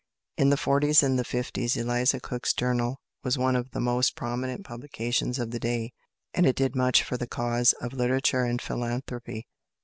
In the forties and the fifties Eliza Cook's Journal was one of the most prominent publications of the day, and it did much for the cause of literature and philanthropy.